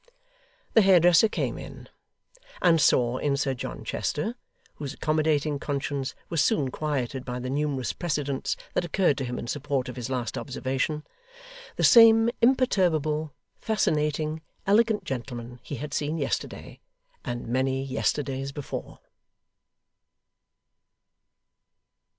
The hairdresser came in; and saw in Sir John Chester (whose accommodating conscience was soon quieted by the numerous precedents that occurred to him in support of his last observation), the same imperturbable, fascinating, elegant gentleman he had seen yesterday, and many yesterdays before.